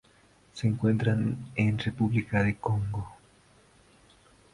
Se encuentra en República del Congo.